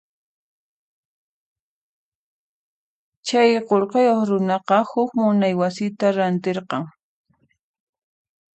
Chay qullqiyuq runaqa huk munay wasita rantirqan.